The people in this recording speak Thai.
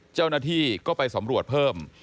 เจ้าหน้าที่ก็ไปสำรวจเพิ่ม